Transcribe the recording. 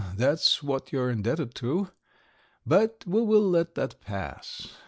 That's what you're indebted to. But we will let that pass.